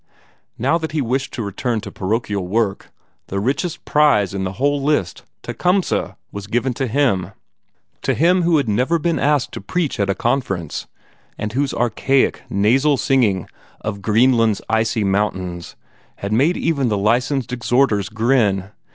Now that he wished to return to parochial work, the richest prize in the whole list, Tecumseh, was given to him to him who had never been asked to preach at a Conference, and whose archaic nasal singing of "Greenland's Icy Mountains" had made even the Licensed Exhorters grin!